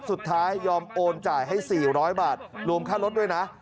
สุดท้ายยอมโอนจ่ายให้๔๐๐บาทรวมค่ารถด้วยนะ